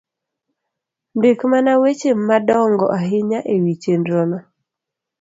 Ndik mana weche madongo ahinya e wi chenro no